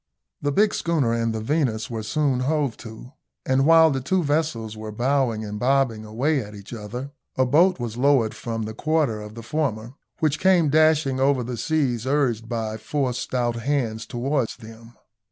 The big schooner and the Venus were soon hove to, and while the two vessels were bowing and bobbing away at each other, a boat was lowered from the quarter of the former, which came dashing over the seas urged by four stout hands towards them.